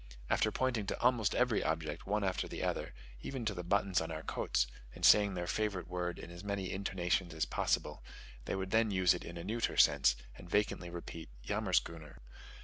After pointing to almost every object, one after the other, even to the buttons on our coats, and saying their favourite word in as many intonations as possible, they would then use it in a neuter sense, and vacantly repeat "yammerschooner."